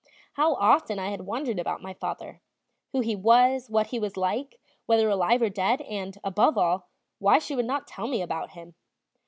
How often I had wondered about my father, who he was, what he was like, whether alive or dead, and, above all, why she would not tell me about him.